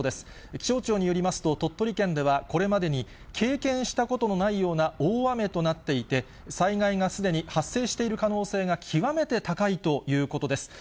気象庁によりますと、鳥取県ではこれまでに経験したことのないような大雨となっていて、災害がすでに発生している可能性が極めて高いということです。